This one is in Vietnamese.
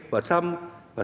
và sau năm hai nghìn ba mươi